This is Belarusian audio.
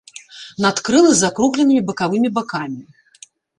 Надкрылы з закругленымі бакавымі бакамі.